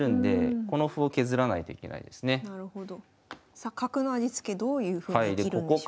さあ角の味付けどういうふうに生きるんでしょうか？